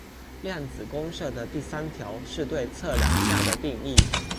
量子公设的第三条是对测量下的定义。